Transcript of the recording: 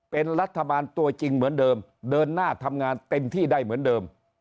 เป็นรัฐบาลตัวจริงเหมือนเดิมเดินหน้าทำงานเต็มที่ได้เหมือนเดิม